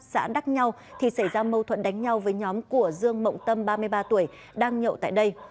xã đắc nhau thì xảy ra mâu thuẫn đánh nhau với nhóm của dương mộng tâm ba mươi ba tuổi đang nhậu tại đây